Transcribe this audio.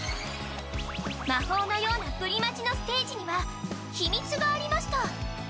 魔法のようなプリマジのステージには秘密がありました。